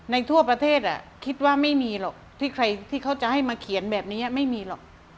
ทั่วประเทศคิดว่าไม่มีหรอกที่ใครที่เขาจะให้มาเขียนแบบนี้ไม่มีหรอก